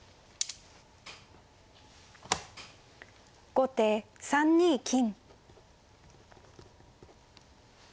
後手３二金。